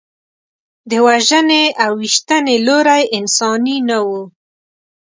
د وژنې او ویشتنې لوری انساني نه و.